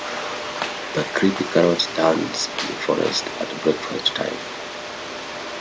The creepy carrots dance in the forest at breakfast time.